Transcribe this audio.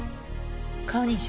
顔認証。